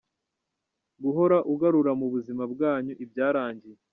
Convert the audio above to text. Guhora ugarura mu buzima bwanyu ibyarangiye.